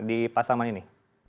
di pasaman ini